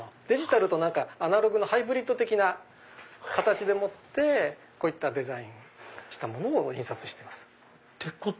デジタルとアナログのハイブリッド的な形でもってこういったデザインしたものを印刷してます。